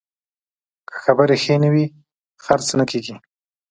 که خبرې ښې نه وي، خرڅ نه کېږي.